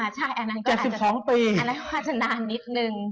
ใช่อันนั้นก็อาจจะนานนิดนึง